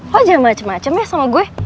lu aja macem macem ya sama gue